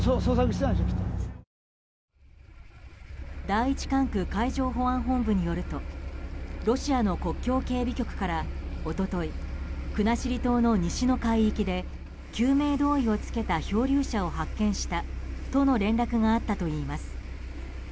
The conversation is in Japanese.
第１管区海上保安本部によるとロシアの国境警備局から一昨日、国後島の西の海域で救命胴衣を着けた漂流者を発見したとの連絡があったといいます。